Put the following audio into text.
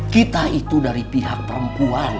kita itu dari pihak perempuan